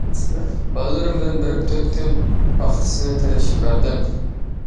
باللىرىم بىلەن بېرىپ تۆت كۈن پاختىسىنى تىرىشىپ بەردىم.